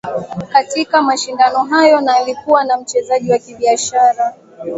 Katika mashindano hayo na alikuwa na mchezaji wa kibiashara